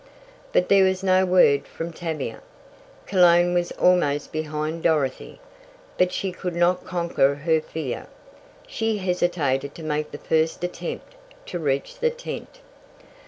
But there was no word from Tavia. Cologne was almost behind Dorothy, but she could not conquer her fear. She hesitated to make the first attempt to reach the tent.